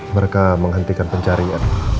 mereka menghentikan pencarian